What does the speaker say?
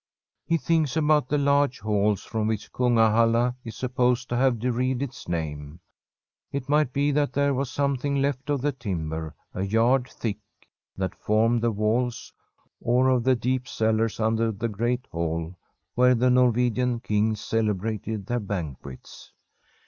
He thinks about the large halls from which Kunga halla is supposed to have derived its name. It might be that there was something left of the timber — ^a yard thick — that formed the walls, or of the deep cellars under the great hall where the Norwegian kings celebrated their banquets.